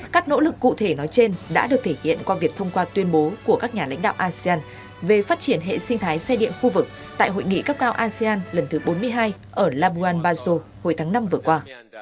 các nỗ lực cụ thể nói trên đã được thể hiện qua việc thông qua tuyên bố của các nhà lãnh đạo asean về phát triển hệ sinh thái xe điện khu vực tại hội nghị cấp cao asean lần thứ bốn mươi hai ở labuan bajo hồi tháng năm vừa qua